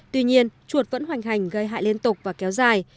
tuy nhiên chuột vẫn hoành hành gây hại liên tục và kéo dài